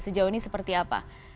sejauh ini seperti apa